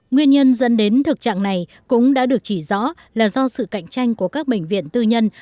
nguyên nhân dẫn đến thực trạng này cũng đã được chỉ rõ là do sự cạnh tranh của các bệnh viện tư nhân